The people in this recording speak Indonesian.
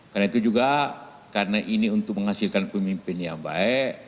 karena itu juga karena ini untuk menghasilkan pemimpin yang baik